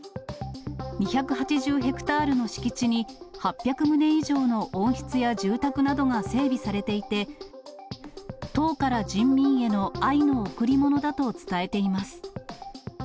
２８０ヘクタールの敷地に８００棟以上の温室や住宅などが整備されていて、党から人民への愛の贈り物だと伝えています。